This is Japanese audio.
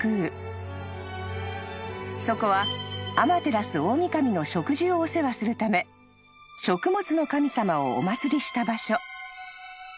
［そこは天照大御神の食事をお世話するため食物の神様をお祭りした場所］